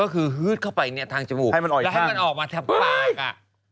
ก็คือฮืดเข้าไปเนี่ยทางจมูกแล้วให้มันออกมาทางปาก